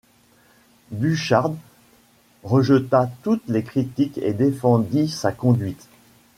Duchardt rejeta toutes les critiques et défendit sa conduite.